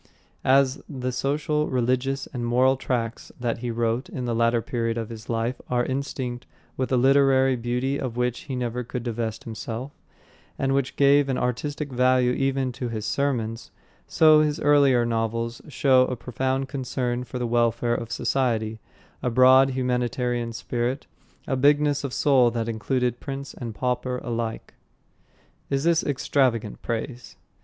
As the social, religious and moral tracts that he wrote in the latter period of his life are instinct with a literary beauty of which he never could divest himself, and which gave an artistic value even to his sermons, so his earlier novels show a profound concern for the welfare of society, a broad, humanitarian spirit, a bigness of soul that included prince and pauper alike. Is this extravagant praise?